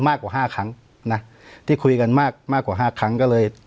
มากกว่าห้าครั้งนะที่คุยกันมากมากกว่าห้าครั้งก็เลย